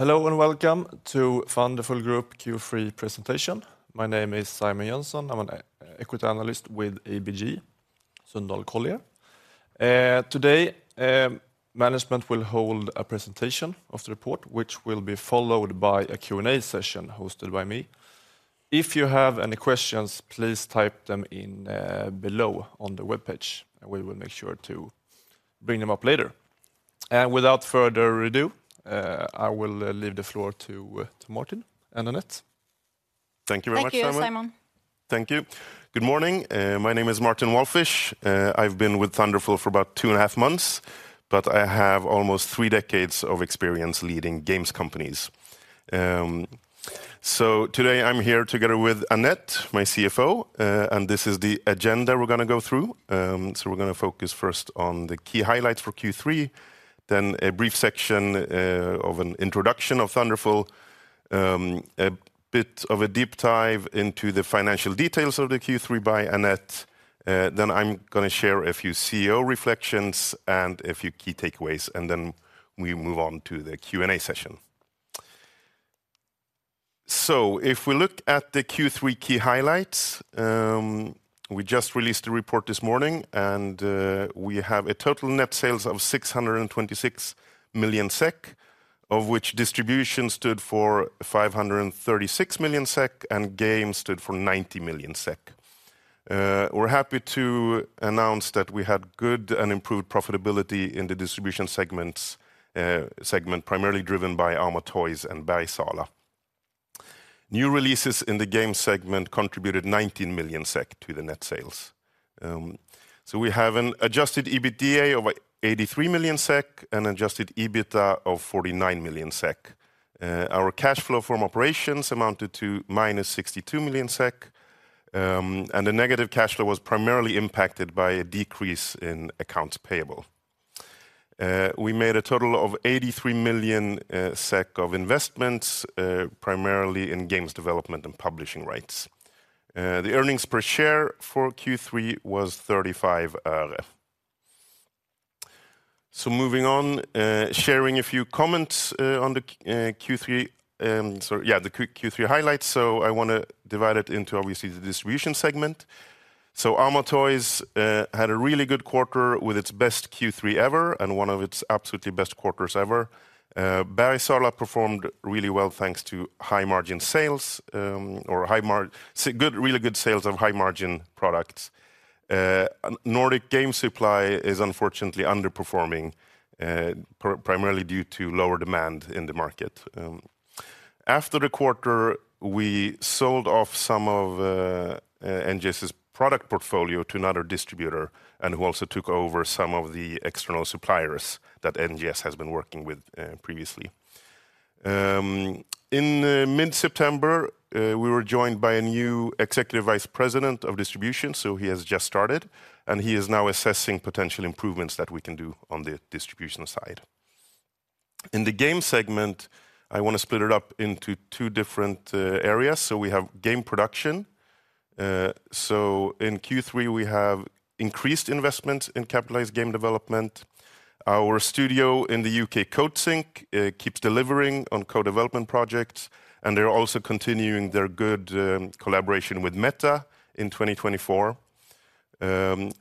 Hello, and welcome to Thunderful Group Q3 presentation. My name is Simon Jönsson. I'm an Equity Analyst with ABG Sundal Collier. Today, management will hold a presentation of the report, which will be followed by a Q&A session hosted by me. If you have any questions, please type them in, below on the webpage, and we will make sure to bring them up later. And without further ado, I will leave the floor to, to Martin and Anette. Thank you very much, Simon. Thank you, Simon. Thank you. Good morning. My name is Martin Walfisz. I've been with Thunderful for about two and a half months, but I have almost three decades of experience leading games companies. So today I'm here together with Anette, my CFO, and this is the agenda we're going to go through. So we're going to focus first on the key highlights for Q3, then a brief section of an introduction of Thunderful, a bit of a deep dive into the financial details of the Q3 by Anette. Then I'm going to share a few CEO reflections and a few key takeaways, and then we move on to the Q&A session. If we look at the Q3 key highlights, we just released a report this morning, and we have a total net sales of 626 million SEK, of which distribution stood for 536 million SEK, and games stood for 90 million SEK. We're happy to announce that we had good and improved profitability in the distribution segment, primarily driven by Amo Toys and Bergsala. New releases in the game segment contributed 19 million SEK to the net sales. So we have an adjusted EBITDA of 83 million SEK and adjusted EBITDA of 49 million SEK. Our cash flow from operations amounted to minus 62 million SEK, and the negative cash flow was primarily impacted by a decrease in accounts payable. We made a total of 83 million SEK of investments, primarily in games development and publishing rights. The earnings per share for Q3 was SEK 0.35. So moving on, sharing a few comments on the Q3 highlights. So I want to divide it into, obviously, the distribution segment. So Amo Toys had a really good quarter with its best Q3 ever and one of its absolutely best quarters ever. Bergsala performed really well, thanks to high-margin sales, good, really good sales of high-margin products. Nordic Game Supply is unfortunately underperforming, primarily due to lower demand in the market. After the quarter, we sold off some of NGS's product portfolio to another distributor, and who also took over some of the external suppliers that NGS has been working with previously. In mid-September, we were joined by a new Executive Vice President of Distribution, so he has just started, and he is now assessing potential improvements that we can do on the distribution side. In the game segment, I want to split it up into two different areas. We have game production. In Q3, we have increased investment in capitalized game development. Our studio in the U.K., Coatsink, keeps delivering on co-development projects, and they are also continuing their good collaboration with Meta in 2024.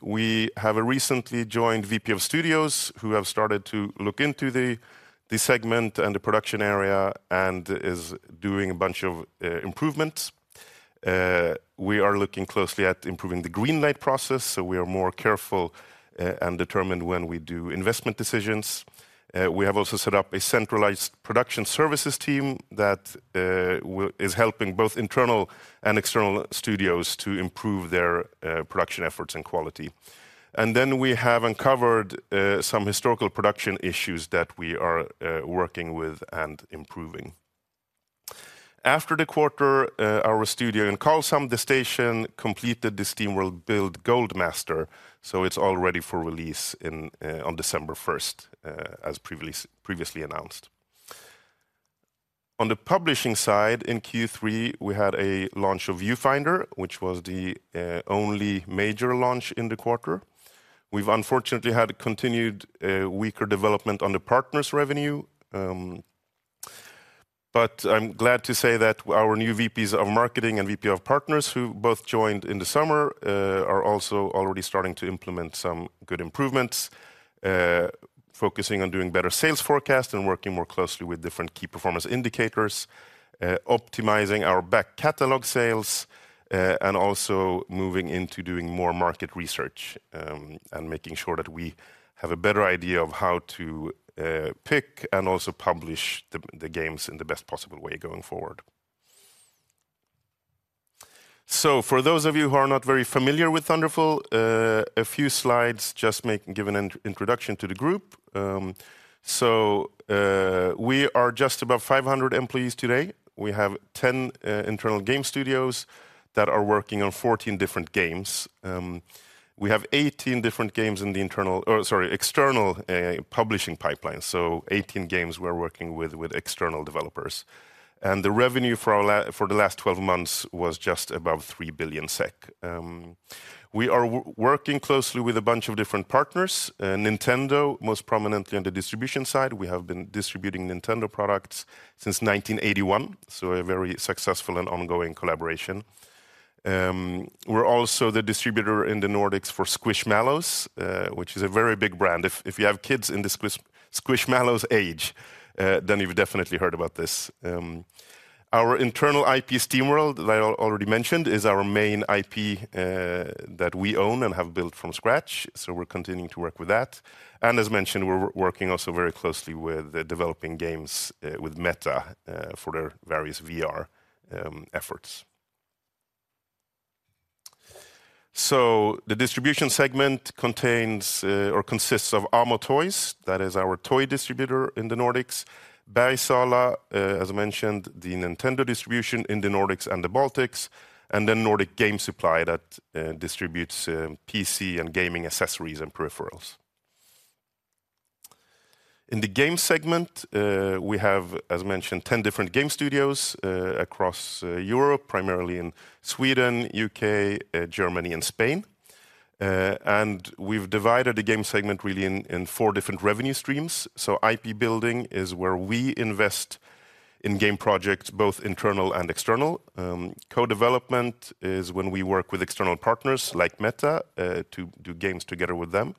We have a recently joined VP of Studios, who have started to look into the segment and the production area and is doing a bunch of improvements. We are looking closely at improving the greenlight process, so we are more careful and determined when we do investment decisions. We have also set up a centralized production services team that is helping both internal and external studios to improve their production efforts and quality. And then we have uncovered some historical production issues that we are working with and improving. After the quarter, our studio in Karlshamn, The Station, completed the SteamWorld Build Gold Master, so it's all ready for release on December 1st, as previously announced. On the publishing side, in Q3, we had a launch of Viewfinder, which was the only major launch in the quarter. We've unfortunately had a continued weaker development on the Partners revenue, but I'm glad to say that our new VPs of Marketing and VP of Partners, who both joined in the summer, are also already starting to implement some good improvements, focusing on doing better sales forecast and working more closely with different key performance indicators, optimizing our back catalog sales, and also moving into doing more market research, and making sure that we have a better idea of how to pick and also publish the games in the best possible way going forward. So for those of you who are not very familiar with Thunderful, a few slides just give an introduction to the group. So, we are just above 500 employees today. We have 10 internal game studios that are working on 14 different games. We have 18 different games in the external publishing pipeline, so 18 games we're working with external developers. The revenue for the last 12 months was just above 3 billion SEK. We are working closely with a bunch of different partners, Nintendo, most prominently on the distribution side. We have been distributing Nintendo products since 1981, so a very successful and ongoing collaboration. We're also the distributor in the Nordics for Squishmallows, which is a very big brand. If you have kids in the Squishmallows age, then you've definitely heard about this. Our internal IP, SteamWorld, that I already mentioned, is our main IP, that we own and have built from scratch, so we're continuing to work with that. And as mentioned, we're working also very closely with developing games, with Meta, for their various VR efforts. So the distribution segment contains, or consists of Amo Toys, that is our toy distributor in the Nordics, Bergsala, as I mentioned, the Nintendo distribution in the Nordics and the Baltics, and then Nordic Game Supply that distributes PC and gaming accessories and peripherals. In the game segment, we have, as mentioned, 10 different game studios, across Europe, primarily in Sweden, U.K., Germany, and Spain. And we've divided the game segment really in four different revenue streams. So IP building is where we invest in game projects, both internal and external. Co-development is when we work with external partners, like Meta, to do games together with them.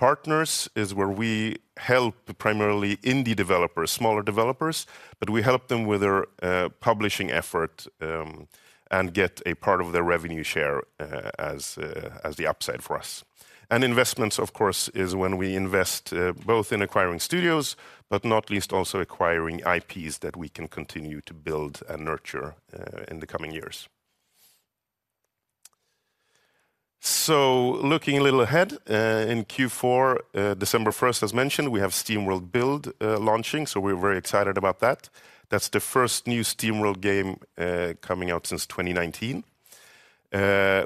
Partners is where we help primarily indie developers, smaller developers, but we help them with their publishing effort, and get a part of their revenue share, as the upside for us. And investments, of course, is when we invest both in acquiring studios, but not least, also acquiring IPs that we can continue to build and nurture in the coming years. So looking a little ahead, in Q4, December first, as mentioned, we have SteamWorld Build launching, so we're very excited about that. That's the first new SteamWorld game coming out since 2019.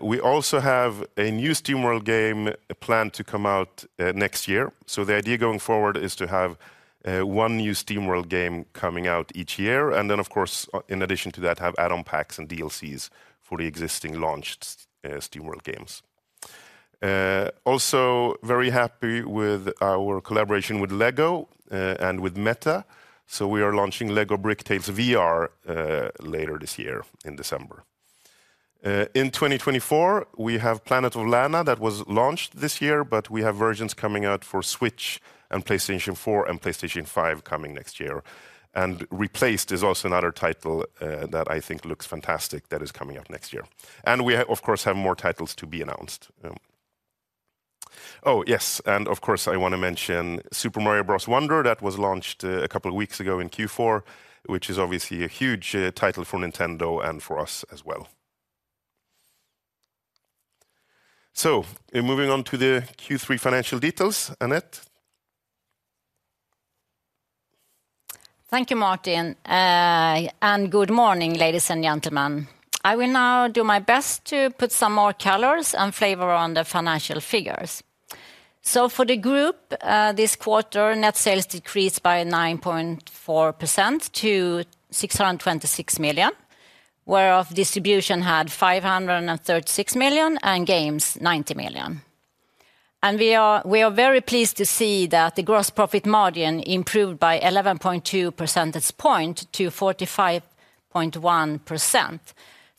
We also have a new SteamWorld game planned to come out next year. So the idea going forward is to have one new SteamWorld game coming out each year, and then, of course, in addition to that, have add-on packs and DLCs for the existing launched SteamWorld games. Also very happy with our collaboration with LEGO and with Meta, so we are launching LEGO Bricktales VR later this year in December. In 2024, we have Planet of Lana that was launched this year, but we have versions coming out for Switch and PlayStation 4 and PlayStation 5 coming next year. Replaced is also another title that I think looks fantastic, that is coming out next year. We have, of course, more titles to be announced. Oh, yes, and of course, I want to mention Super Mario Bros. Wonder, that was launched a couple of weeks ago in Q4, which is obviously a huge title for Nintendo and for us as well. So in moving on to the Q3 financial details, Anette? Thank you, Martin, and good morning, ladies and gentlemen. I will now do my best to put some more colors and flavor on the financial figures. So for the group, this quarter, net sales decreased by 9.4% to 626 million, whereof distribution had 536 million, and games, 90 million. We are, we are very pleased to see that the gross profit margin improved by 11.2 percentage points to 45.1%,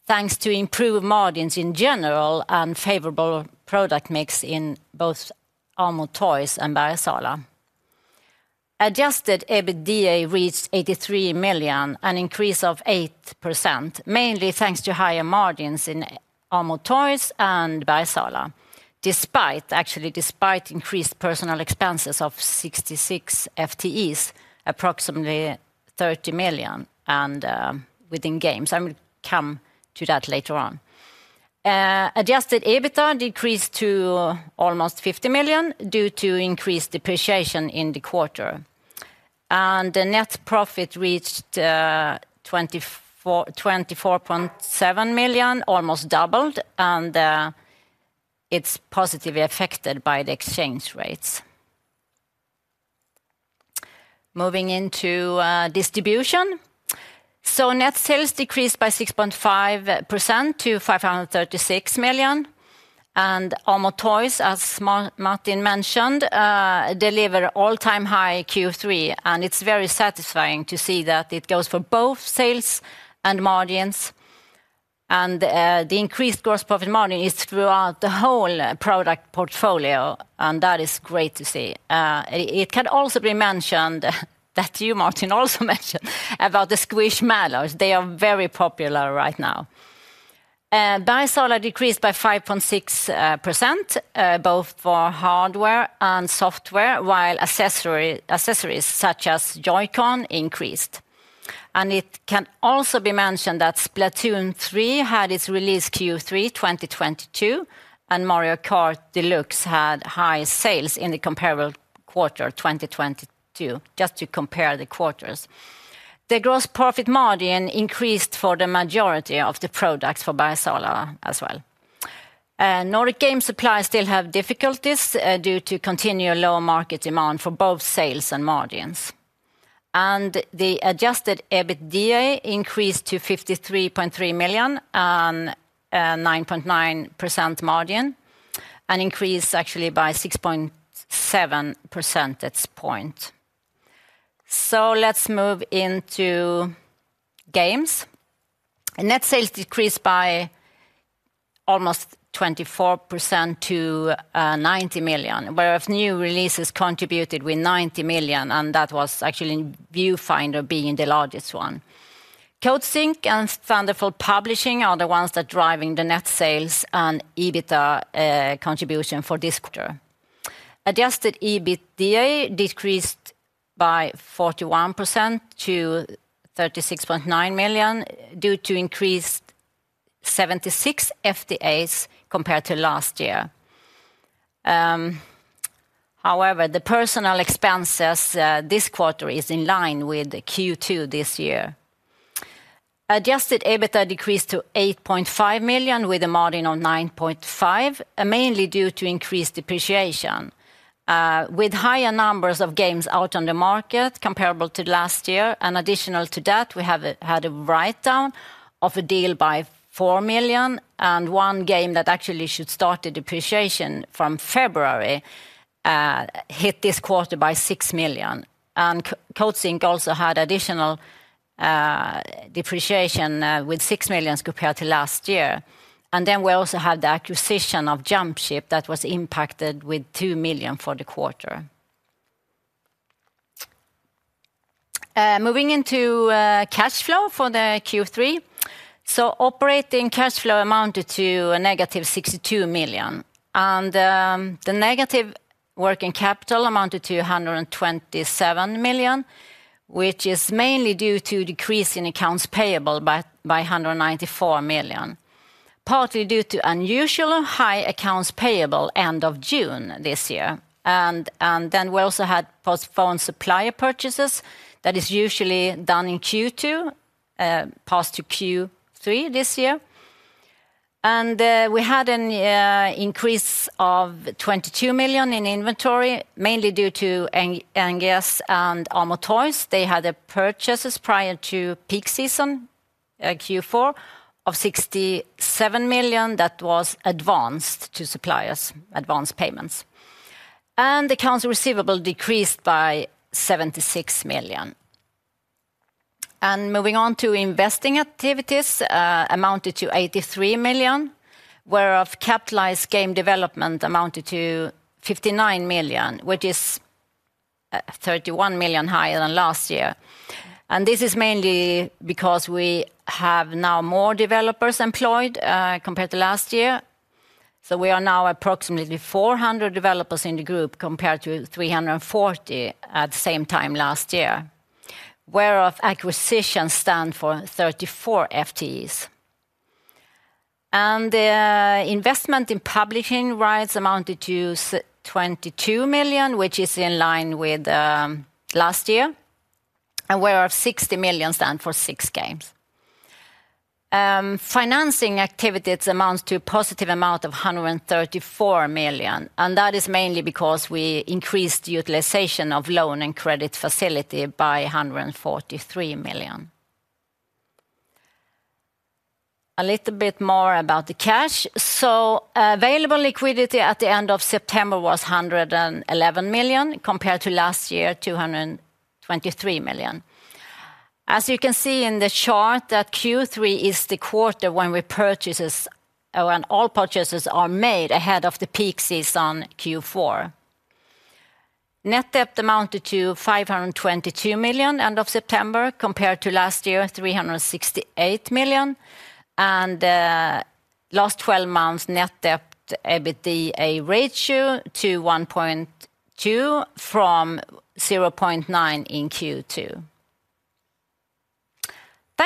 thanks to improved margins in general and favorable product mix in both Amo Toys and Bergsala. Adjusted EBITDA reached 83 million, an increase of 8%, mainly thanks to higher margins in Amo Toys and Bergsala. Despite, actually, despite increased personal expenses of 66 FTEs, approximately 30 million, and within games. I will come to that later on. Adjusted EBITDA decreased to almost 50 million due to increased depreciation in the quarter. The net profit reached 24.7 million, almost doubled, and it's positively affected by the exchange rates. Moving into distribution. Net sales decreased by 6.5% to 536 million. Amo Toys, as Martin mentioned, delivered all-time high Q3, and it's very satisfying to see that it goes for both sales and margins. The increased gross profit margin is throughout the whole product portfolio, and that is great to see. It can also be mentioned that you, Martin, also mentioned about the Squishmallows. They are very popular right now. Bergsala decreased by 5.6%, both for hardware and software, while accessories such as Joy-Con increased. It can also be mentioned that Splatoon 3 had its release Q3 2022, and Mario Kart 8 Deluxe had high sales in the comparable quarter, 2022, just to compare the quarters. The gross profit margin increased for the majority of the products for Bergsala as well. Nordic Game Supply still have difficulties due to continued low market demand for both sales and margins. The adjusted EBITDA increased to 53.3 million, and 9.9% margin, an increase actually by 6.7 percentage point. Let's move into games. Net sales decreased by almost 24% to 90 million, whereof new releases contributed with 90 million, and that was actually Viewfinder being the largest one. Coatsink and Thunderful Publishing are the ones that are driving the net sales and EBITDA contribution for this quarter. Adjusted EBITDA decreased by 41% to 36.9 million, due to increased 76 FTEs compared to last year. However, the personnel expenses this quarter are in line with the Q2 this year. Adjusted EBITDA decreased to 8.5 million, with a margin of 9.5%, mainly due to increased depreciation. With higher numbers of games out on the market comparable to last year, and additional to that, we have had a write-down of a deal by 4 million, and one game that actually should start the depreciation from February hit this quarter by 6 million. Coatsink also had additional depreciation with 6 million compared to last year. Then we also had the acquisition of Jumpship that was impacted with 2 million for the quarter. Moving into cash flow for the Q3. So operating cash flow amounted to a negative 62 million. The negative working capital amounted to 127 million, which is mainly due to decrease in accounts payable by 194 million, partly due to unusual high accounts payable end of June this year. Then we also had postponed supplier purchases that is usually done in Q2, passed to Q3 this year. We had an increase of 22 million in inventory, mainly due to NGS and Amo Toys. They had a purchases prior to peak season, Q4, of 67 million that was advanced to suppliers, advance payments. Accounts receivable decreased by 76 million. Moving on to investing activities, amounted to 83 million, whereof capitalized game development amounted to 59 million, which is 31 million higher than last year. This is mainly because we have now more developers employed, compared to last year. So we are now approximately 400 developers in the group, compared to 340 at the same time last year, whereof acquisitions stand for 34 FTEs. And the investment in publishing rights amounted to 22 million, which is in line with last year, and whereof 60 million stand for 6 games. Financing activities amounts to a positive amount of 134 million, and that is mainly because we increased utilization of loan and credit facility by 143 million. A little bit more about the cash. So available liquidity at the end of September was 111 million, compared to last year, 223 million. As you can see in the chart, that Q3 is the quarter when we purchases, when all purchases are made ahead of the peak season, Q4. Net debt amounted to 522 million end of September, compared to last year, 368 million. Last 12 months, net debt EBITDA ratio to 1.2 from 0.9 in Q2.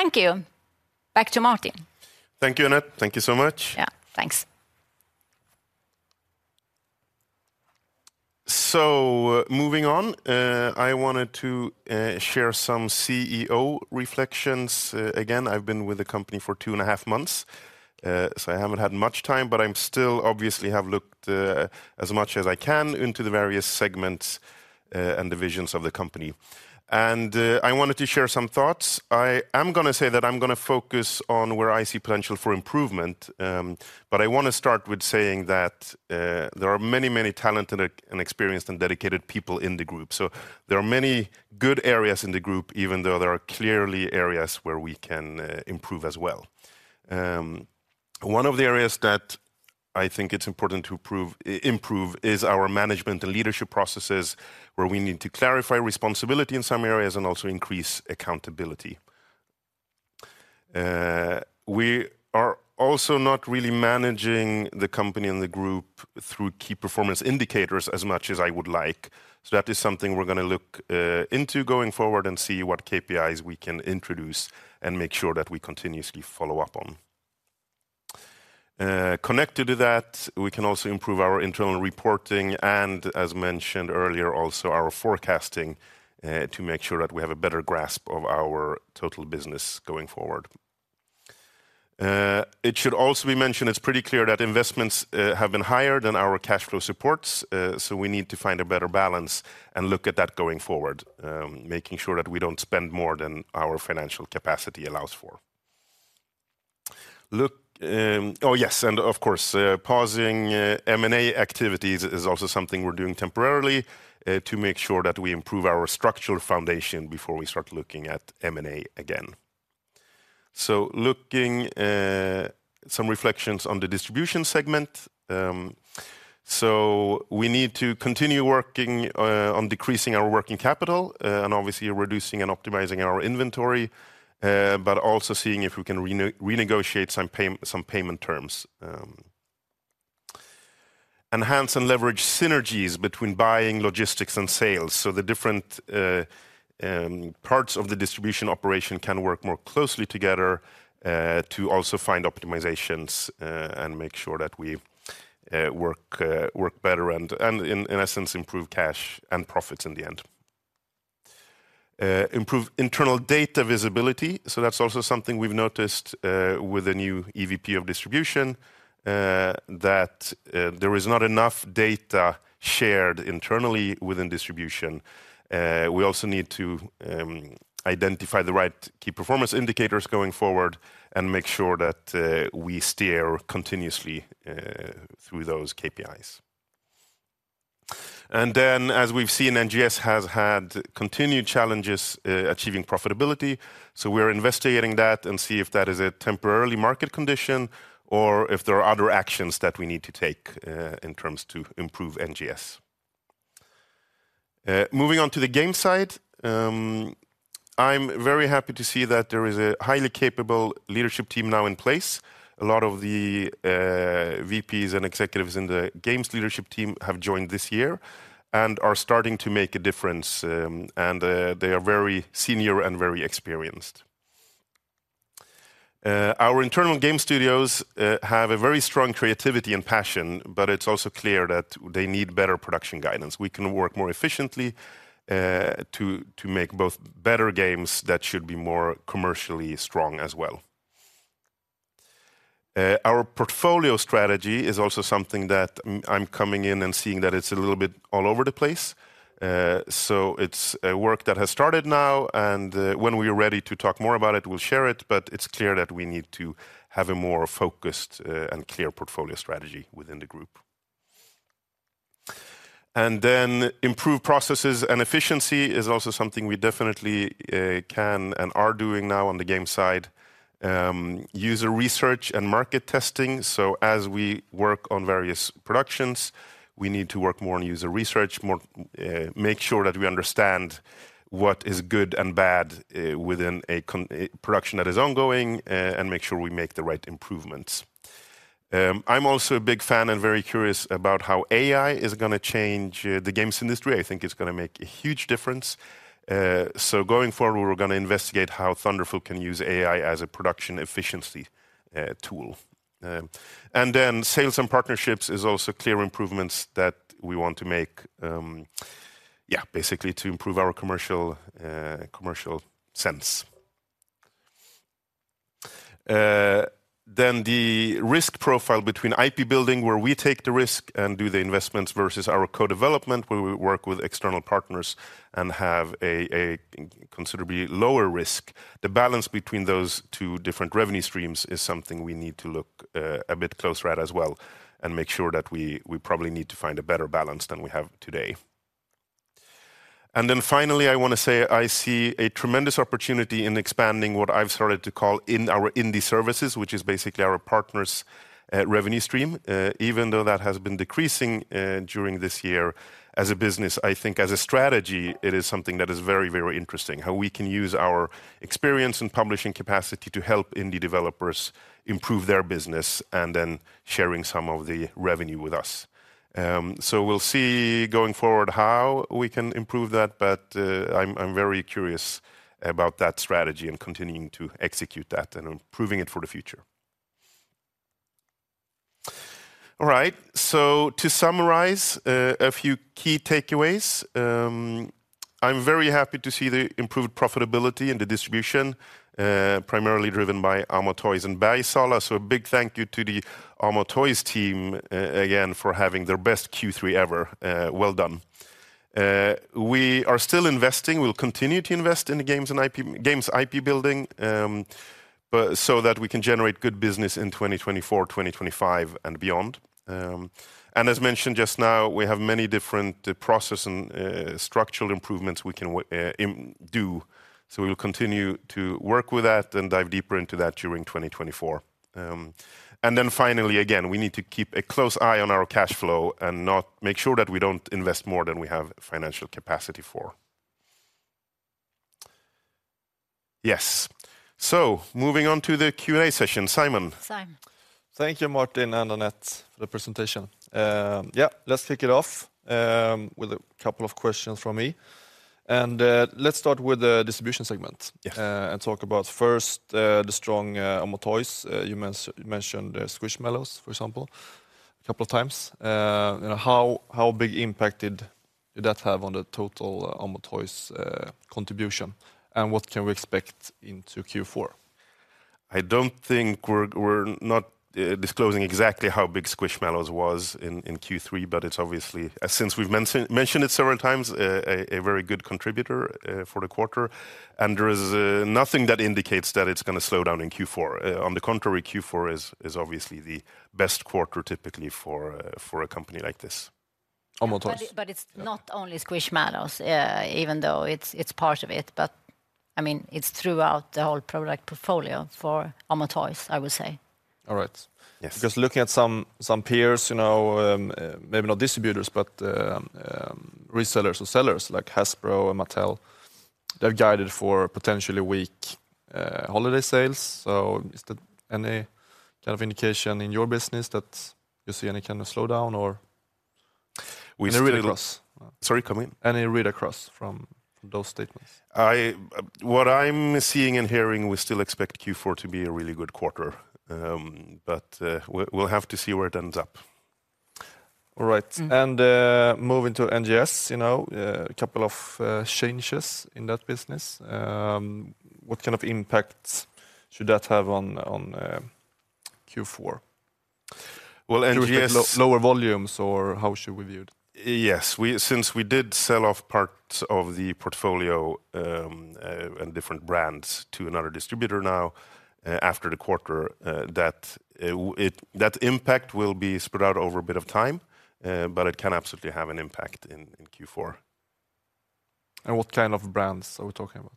Thank you. Back to Martin. Thank you, Anette. Thank you so much. Yeah, thanks. So moving on, I wanted to share some CEO reflections. Again, I've been with the company for two and a half months, so I haven't had much time, but I'm still obviously have looked as much as I can into the various segments and divisions of the company. I wanted to share some thoughts. I am gonna say that I'm gonna focus on where I see potential for improvement, but I want to start with saying that there are many, many talented and experienced and dedicated people in the group. So there are many good areas in the group, even though there are clearly areas where we can improve as well. One of the areas that I think it's important to improve is our management and leadership processes, where we need to clarify responsibility in some areas and also increase accountability. We are also not really managing the company and the group through key performance indicators as much as I would like. So that is something we're gonna look into going forward and see what KPIs we can introduce and make sure that we continuously follow up on. Connected to that, we can also improve our internal reporting and, as mentioned earlier, also our forecasting to make sure that we have a better grasp of our total business going forward. It should also be mentioned, it's pretty clear that investments have been higher than our cash flow supports, so we need to find a better balance and look at that going forward, making sure that we don't spend more than our financial capacity allows for. And of course, pausing M&A activities is also something we're doing temporarily, to make sure that we improve our structural foundation before we start looking at M&A again. So, some reflections on the distribution segment. So we need to continue working on decreasing our working capital, and obviously reducing and optimizing our inventory, but also seeing if we can renegotiate some payment terms. Enhance and leverage synergies between buying, logistics, and sales, so the different parts of the distribution operation can work more closely together to also find optimizations and make sure that we work better and in essence improve cash and profits in the end. Improve internal data visibility, so that's also something we've noticed with the new EVP of distribution that there is not enough data shared internally within distribution. We also need to identify the right key performance indicators going forward and make sure that we steer continuously through those KPIs. And then, as we've seen, NGS has had continued challenges, achieving profitability, so we're investigating that and see if that is a temporary market condition or if there are other actions that we need to take, in terms to improve NGS. Moving on to the game side, I'm very happy to see that there is a highly capable leadership team now in place. A lot of the VPs and executives in the games leadership team have joined this year and are starting to make a difference, and they are very senior and very experienced. Our internal game studios have a very strong creativity and passion, but it's also clear that they need better production guidance. We can work more efficiently to make both better games that should be more commercially strong as well. Our portfolio strategy is also something that I'm coming in and seeing that it's a little bit all over the place. So it's a work that has started now, and when we are ready to talk more about it, we'll share it, but it's clear that we need to have a more focused and clear portfolio strategy within the group. And then improve processes and efficiency is also something we definitely can and are doing now on the game side. User research and market testing, so as we work on various productions, we need to work more on user research, more make sure that we understand what is good and bad within a production that is ongoing, and make sure we make the right improvements. I'm also a big fan and very curious about how AI is going to change the games industry. I think it's going to make a huge difference. So going forward, we're going to investigate how Thunderful can use AI as a production efficiency tool. And then sales and partnerships is also clear improvements that we want to make, basically to improve our commercial commercial sense. Then the risk profile between IP building, where we take the risk and do the investments, versus our co-development, where we work with external partners and have a considerably lower risk. The balance between those two different revenue streams is something we need to look a bit closer at as well, and make sure that we probably need to find a better balance than we have today. And then finally, I want to say, I see a tremendous opportunity in expanding what I've started to call in our indie services, which is basically our Partners' revenue stream. Even though that has been decreasing during this year, as a business, I think as a strategy, it is something that is very, very interesting, how we can use our experience and publishing capacity to help indie developers improve their business and then sharing some of the revenue with us. So we'll see, going forward, how we can improve that, but I'm very curious about that strategy and continuing to execute that and improving it for the future. All right, to summarize, a few key takeaways. I'm very happy to see the improved profitability in the distribution, primarily driven by Amo Toys and Bergsala. So a big thank you to the Amo Toys team, again, for having their best Q3 ever. Well done. We are still investing. We'll continue to invest in the games and IP, games IP building, but so that we can generate good business in 2024, 2025, and beyond. And as mentioned just now, we have many different process and structural improvements we can do, so we will continue to work with that and dive deeper into that during 2024. And then finally, again, we need to keep a close eye on our cash flow and make sure that we don't invest more than we have financial capacity for. Yes. So moving on to the Q&A session. Simon? Thank you, Martin and Anette, for the presentation. Yeah, let's kick it off with a couple of questions from me. Let's start with the distribution segment. Yes... and talk about first the strong Amo Toys. You mentioned Squishmallows, for example, a couple of times. You know, how big impact did that have on the total Amo Toys contribution, and what can we expect into Q4? I don't think we're not disclosing exactly how big Squishmallows was in Q3, but it's obviously... since we've mentioned it several times, a very good contributor for the quarter, and there is nothing that indicates that it's going to slow down in Q4. On the contrary, Q4 is obviously the best quarter typically for a company like this.... But it's not only Squishmallows, even though it's part of it, but I mean, it's throughout the whole product portfolio for Amo Toys, I would say. All right. Yes. Just looking at some peers, you know, maybe not distributors, but resellers or sellers like Hasbro and Mattel, they've guided for potentially weak holiday sales. So is there any kind of indication in your business that you see any kind of slowdown or any read across? We still- Sorry, come in. Any read across from those statements? What I'm seeing and hearing, we still expect Q4 to be a really good quarter. But we'll have to see where it ends up. All right. Mm. Moving to NGS, you know, a couple of changes in that business. What kind of impact should that have on Q4? Well, NGS- Lower volumes, or how should we view it? Yes. We, since we did sell off parts of the portfolio, and different brands to another distributor now, after the quarter, that impact will be spread out over a bit of time, but it can absolutely have an impact in Q4. What kind of brands are we talking about?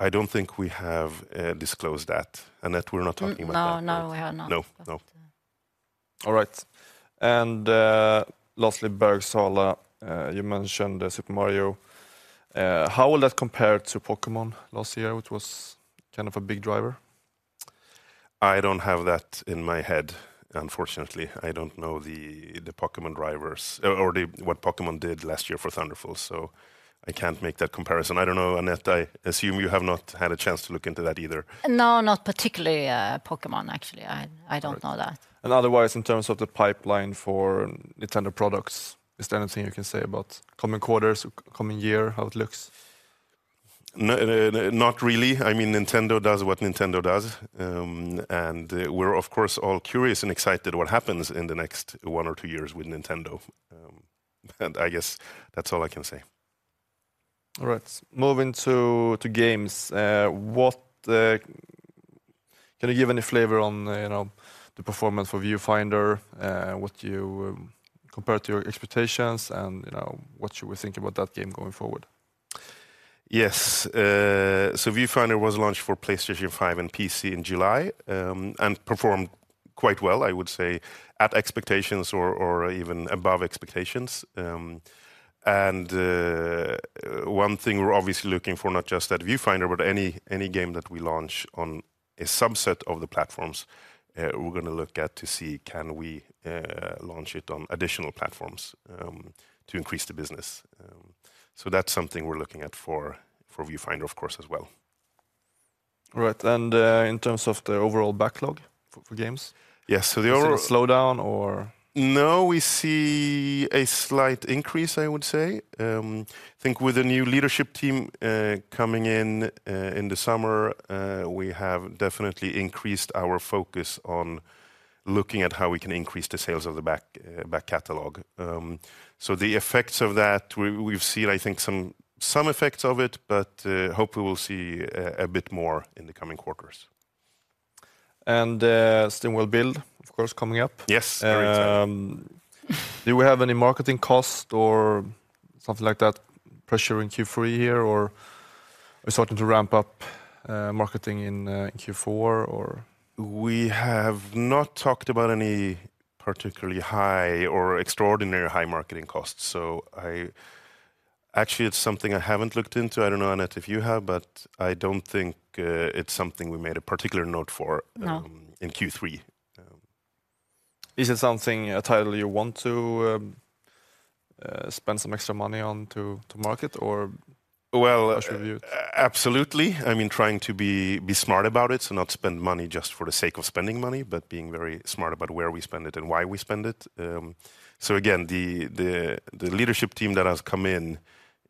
I don't think we have disclosed that, and that we're not talking about that. No, no, we have not. No, no. But, uh- All right. And, lastly, Bergsala, you mentioned Super Mario. How will that compare to Pokémon last year, which was kind of a big driver? I don't have that in my head, unfortunately. I don't know the Pokémon drivers or what Pokémon did last year for Thunderful, so I can't make that comparison. I don't know, Anette. I assume you have not had a chance to look into that either. No, not particularly, Pokémon, actually. I don't know that. Right. And otherwise, in terms of the pipeline for Nintendo products, is there anything you can say about coming quarters or coming year, how it looks? No, not really. I mean, Nintendo does what Nintendo does. And we're of course all curious and excited what happens in the next one or two years with Nintendo. And I guess that's all I can say. All right. Moving to games, what... Can you give any flavor on, you know, the performance for Viewfinder, what you compare to your expectations and, you know, what should we think about that game going forward? Yes. So Viewfinder was launched for PlayStation 5 and PC in July, and performed quite well, I would say, at expectations or even above expectations. And one thing we're obviously looking for, not just at Viewfinder, but any game that we launch on a subset of the platforms, we're going to look at to see, can we launch it on additional platforms to increase the business? So that's something we're looking at for Viewfinder, of course, as well. Right. And, in terms of the overall backlog for games- Yes, so the overall- Is it a slowdown or...? No, we see a slight increase, I would say. I think with the new leadership team coming in in the summer, we have definitely increased our focus on looking at how we can increase the sales of the back catalog. So the effects of that, we've seen, I think, some, some effects of it, but hopefully we'll see a bit more in the coming quarters. SteamWorld Build, of course, coming up. Yes, very excited. Do we have any marketing cost or something like that, pressure in Q3 here, or are we starting to ramp up marketing in Q4, or? We have not talked about any particularly high or extraordinary high marketing costs, so I... Actually, it's something I haven't looked into. I don't know, Anette, if you have, but I don't think, it's something we made a particular note for- No... in Q3. Is it something, a title you want to spend some extra money on to market, or- Well- How should we view it?... absolutely. I mean, trying to be smart about it, so not spend money just for the sake of spending money, but being very smart about where we spend it and why we spend it. So again, the leadership team that has come in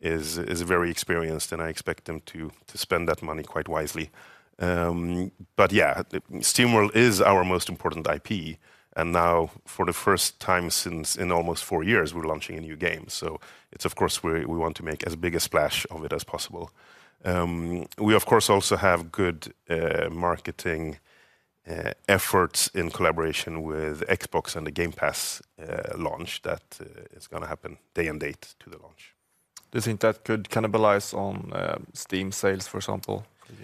is very experienced, and I expect them to spend that money quite wisely. But yeah, SteamWorld is our most important IP, and now for the first time since in almost four years, we're launching a new game. So it's of course we want to make as big a splash of it as possible. We, of course, also have good marketing efforts in collaboration with Xbox and the Game Pass launch that is going to happen day and date to the launch. Do you think that could cannibalize on, Steam sales, for example, the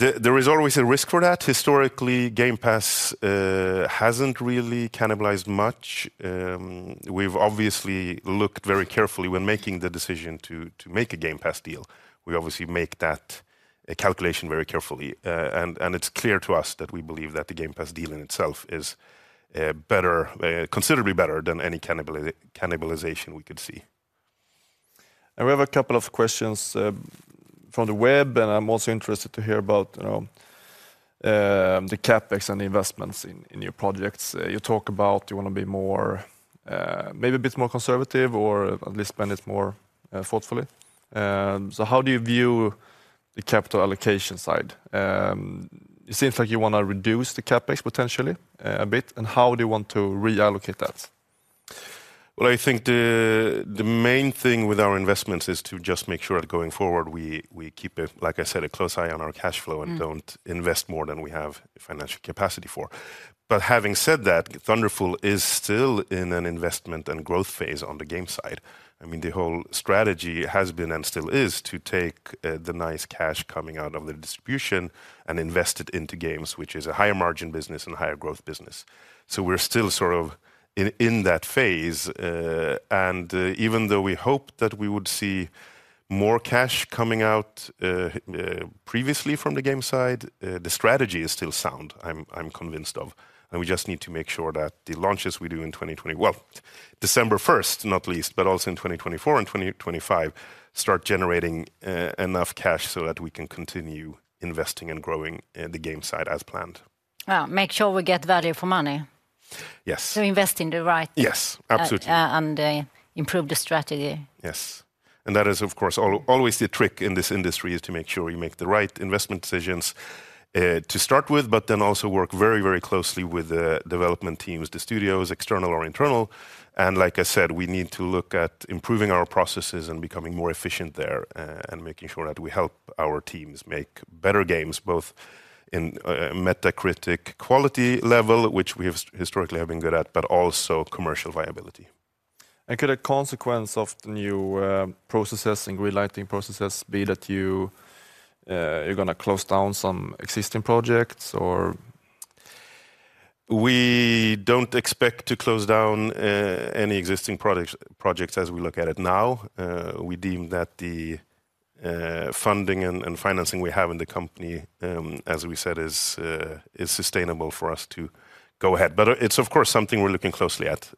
game? There, there is always a risk for that. Historically, Game Pass hasn't really cannibalized much. We've obviously looked very carefully when making the decision to make a Game Pass deal. We obviously make that calculation very carefully. And it's clear to us that we believe that the Game Pass deal in itself is better, considerably better than any cannibalization we could see. And we have a couple of questions from the web, and I'm also interested to hear about, you know, the CapEx and the investments in your projects. You talk about you want to be more, maybe a bit more conservative or at least spend it more, thoughtfully. So how do you view the capital allocation side? It seems like you want to reduce the CapEx potentially, a bit, and how do you want to reallocate that? Well, I think the main thing with our investments is to just make sure that going forward, we keep a, like I said, a close eye on our cash flow- Mm - and don't invest more than we have the financial capacity for. But having said that, Thunderful is still in an investment and growth phase on the games side. I mean, the whole strategy has been, and still is, to take, the nice cash coming out of the distribution and invest it into games, which is a higher margin business and higher growth business. So we're still sort of in that phase. And, even though we hope that we would see more cash coming out, previously from the games side, the strategy is still sound, I'm convinced of. And we just need to make sure that the launches we do in 2020-- well, December 1st, not least, but also in 2024 and 2025, start generating, enough cash so that we can continue investing and growing, the games side as planned. Well, make sure we get value for money. Yes. Invest in the right- Yes, absolutely. And improve the strategy. Yes. That is, of course, always the trick in this industry, is to make sure you make the right investment decisions to start with, but then also work very, very closely with the development teams, the studios, external or internal. Like I said, we need to look at improving our processes and becoming more efficient there, and making sure that we help our teams make better games, both in Metacritic quality level, which we have historically been good at, but also commercial viability. Could a consequence of the new processes and greenlighting processes be that you, you're gonna close down some existing projects or...? We don't expect to close down any existing projects as we look at it now. We deem that the funding and financing we have in the company, as we said, is sustainable for us to go ahead. But it's, of course, something we're looking closely at.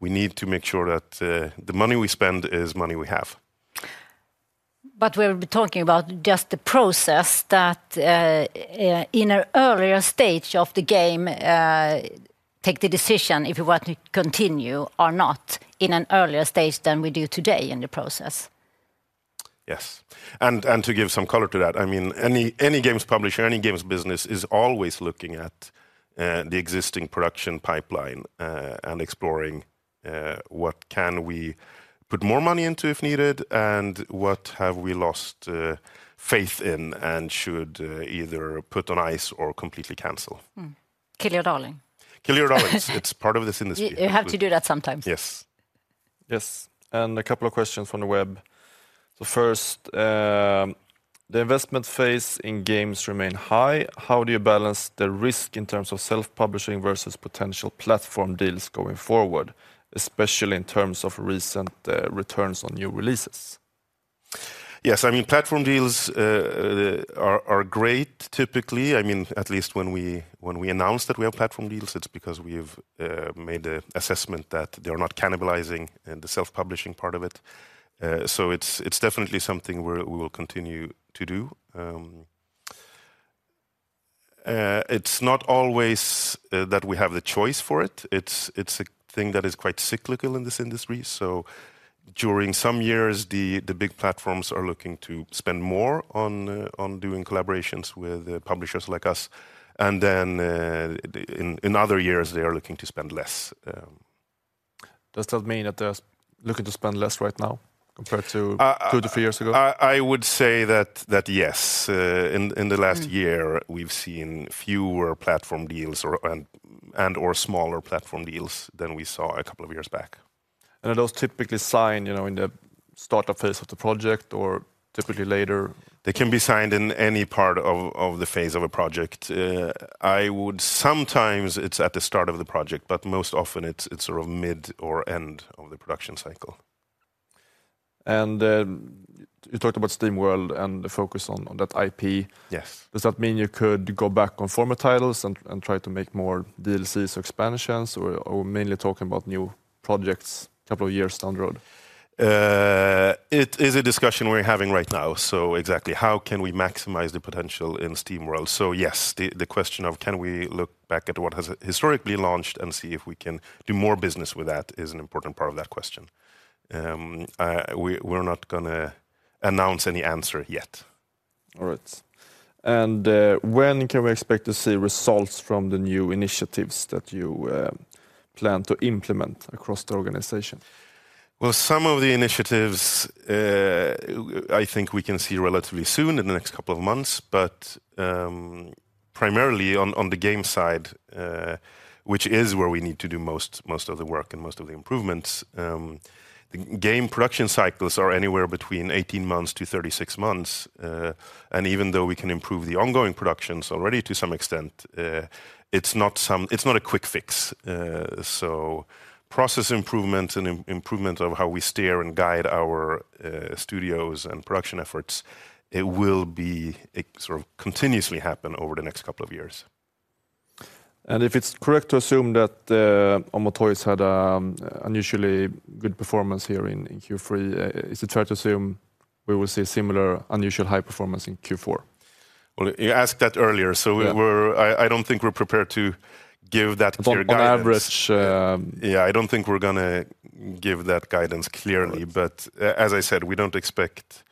We need to make sure that the money we spend is money we have. But we're talking about just the process that, in an earlier stage of the game, take the decision if you want to continue or not, in an earlier stage than we do today in the process. Yes. And to give some color to that, I mean, any games publisher, any games business is always looking at the existing production pipeline, and exploring what can we put more money into, if needed, and what have we lost faith in and should either put on ice or completely cancel? Mm. Kill your darling. Kill your darlings. It's part of this industry. You have to do that sometimes. Yes. Yes, and a couple of questions from the web. The first: "The investment phase in games remain high. How do you balance the risk in terms of self-publishing versus potential platform deals going forward, especially in terms of recent returns on new releases? Yes, I mean, platform deals are great typically. I mean, at least when we announce that we have platform deals, it's because we have made an assessment that they are not cannibalizing in the self-publishing part of it. So it's definitely something we'll continue to do. It's not always that we have the choice for it. It's a thing that is quite cyclical in this industry. So during some years, the big platforms are looking to spend more on doing collaborations with publishers like us, We're not gonna announce any answer yet. All right. When can we expect to see results from the new initiatives that you plan to implement across the organization? Well, some of the initiatives, I think we can see relatively soon, in the next couple of months, but primarily on the games side, which is where we need to do most of the work and most of the improvements, the game production cycles are anywhere between 18 months to 36 months. And even though we can improve the ongoing productions already to some extent, it's not a quick fix. So process improvement and improvement of how we steer and guide our studios and production efforts, it sort of continuously happen over the next couple of years. If it's correct to assume that Amo Toys had an unusually good performance here in Q3, is it fair to assume we will see a similar unusually high performance in Q4? Well, you asked that earlier, so- Yeah... I don't think we're prepared to give that clear guidance. On average, Yeah, I don't think we're gonna give that guidance clearly. All right. But as I said, we don't expect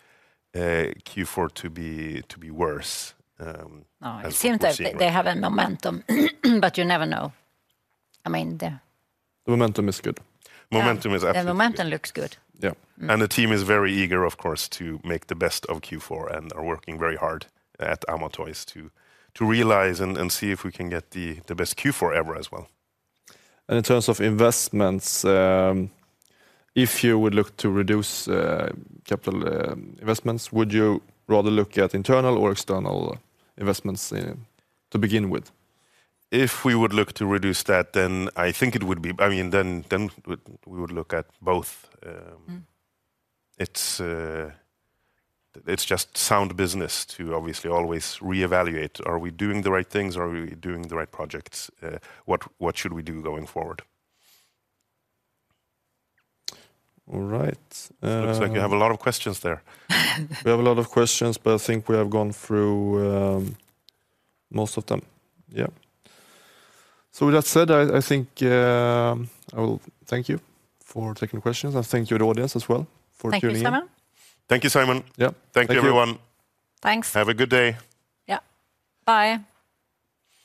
Q4 to be worse, as we've seen. No, it seems like they have a momentum, but you never know. I mean, the- The momentum is good. Momentum is absolutely good. The momentum looks good. Yeah. Mm. The team is very eager, of course, to make the best of Q4, and are working very hard at Amo Toys to realize and see if we can get the best Q4 ever as well. In terms of investments, if you would look to reduce capital investments, would you rather look at internal or external investments to begin with? If we would look to reduce that, then I think it would be... I mean, then we would look at both. Mm... It's just sound business to obviously always reevaluate, are we doing the right things? Are we doing the right projects? What should we do going forward? All right, Looks like you have a lot of questions there. We have a lot of questions, but I think we have gone through most of them. Yeah. So with that said, I, I think, I will thank you for taking the questions, and thank you to the audience as well for tuning in. Thank you, Simon. Thank you, Simon. Yeah. Thank you, everyone. Thanks. Have a good day. Yeah, bye.